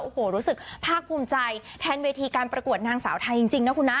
โอ้โหรู้สึกภาคภูมิใจแทนเวทีการประกวดนางสาวไทยจริงนะคุณนะ